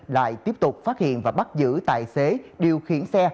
lại tiếp tục phát hiện và bắt giữ tài xế điều khiển xe